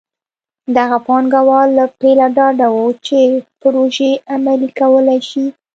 دغه پانګوال له پیله ډاډه وو چې پروژې عملي کولی شي.